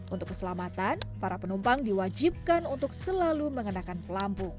untuk keselamatan para penumpang diwajibkan untuk selalu mengenakan pelampu